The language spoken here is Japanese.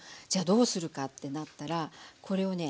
どうするかってなったらこれをね